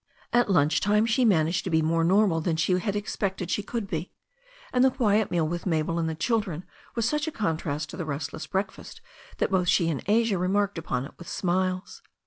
At lunch time she managed to be more normal than she had expected she could be, and the quiet meal with Mabel and the children was such a contrast to the restless break fast that both she and Asia remarked upon it with smiles.